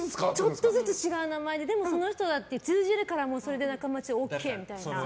ちょっとずつ違う名前ででも、通じるからそれでＯＫみたいな。